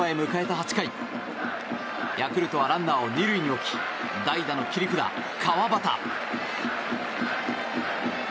８回ヤクルトはランナーを２塁に置き代打の切り札、川端。